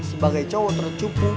sebagai cowok tercupu